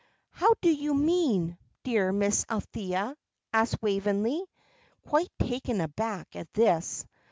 "How do you mean, dear Miss Althea?" asked Waveney, quite taken aback at this.